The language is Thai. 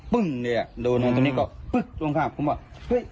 ปึ้งเลยอ่ะโดนตรงนี้ก็ปึ๊บตรงข้างผมบอกเฮ้ย